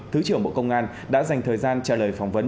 thứ trưởng bộ công an đã dành thời gian trả lời phỏng vấn